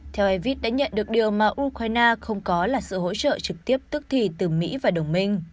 theo aivis đã nhận được điều mà ukraine không có là sự hỗ trợ trực tiếp tức thì từ mỹ và đồng minh